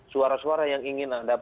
suara suara yang ingin ada perubahan